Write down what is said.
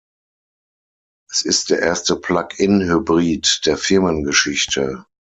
Es ist der erste Plug-in-Hybrid der Firmengeschichte.